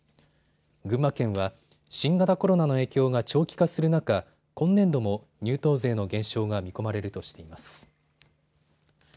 群馬県は新型コロナの影響が長期化する中今年度も入湯税の減少が見込まれるとしています。